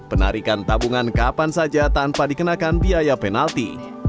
penarikan tabungan kapan saja tanpa dikenakan biaya penalti